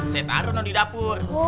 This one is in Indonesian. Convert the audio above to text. saya taruh non di dapur